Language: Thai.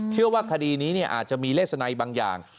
เพราะคิดว่าคดีนี้อาจจะมีเลขสันย์บางอย่าง